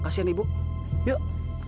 kasihan ibu yuk